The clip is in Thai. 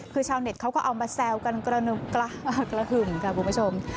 คือชาวเน็ตเขาก็เอามาแซวกันกระหึ่มค่ะคุณผู้ชม